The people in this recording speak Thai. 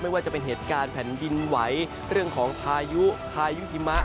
ว่าจะเป็นเหตุการณ์แผ่นดินไหวเรื่องของพายุพายุหิมะ